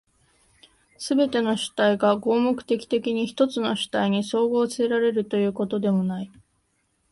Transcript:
すべての主体が合目的的に一つの主体に綜合せられるということでもない。